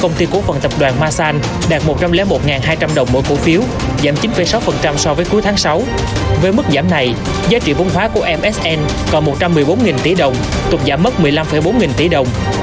giá trị vốn hóa của msn còn một trăm một mươi bốn tỷ đồng tục giảm mất một mươi năm bốn tỷ đồng